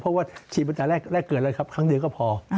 เพราะว่าฉีดตั้งแต่แรกเกิดเลยครับครั้งเดียวก็พอ